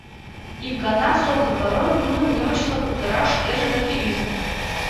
Ик гана сокыр барон тудым немычла кутыраш шкеж деке ӱжын.